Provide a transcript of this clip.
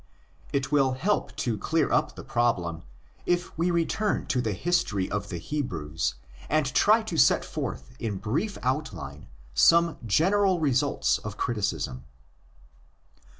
It will help to clear up the problem if we return to the history of the Hebrews, and try to set forth in brief outline some general results of criticism.